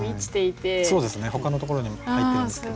そうですねほかのところにも入ってるんですけど。